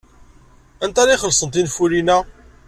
Anta ara ixellṣen tinfulin-a?